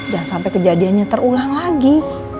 jangan sampai kejadiannya terulang lagi